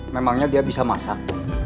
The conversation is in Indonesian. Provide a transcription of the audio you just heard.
memangnya dia bisa masak